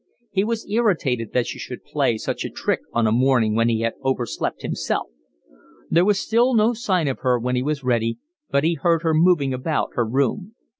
He was irritated that she should play him such a trick on a morning when he had over slept himself. There was still no sign of her when he was ready, but he heard her moving about her room.